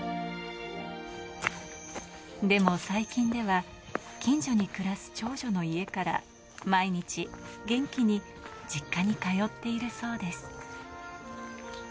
でも最近では近所に暮らす長女の家から毎日元気に実家に通っているそうです。